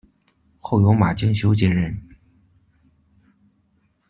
后由马敬修接任。